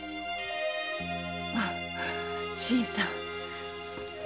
あッ新さん。